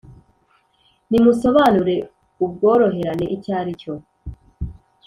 Nimusobanure ubworoherane icyo ari cyo